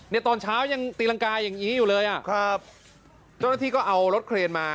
ตอนเช้ายังตีรังกาอย่างงี้อยู่เลยอ่ะครับเจ้าหน้าที่ก็เอารถเครนมา